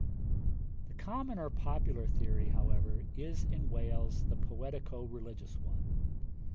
118. VI. The common or popular theory, however, is in Wales the poetico religious one.